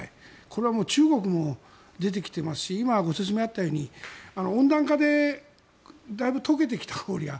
これは中国も出てきていますし今、ご説明があったように温暖化でだいぶ解けてきた氷が。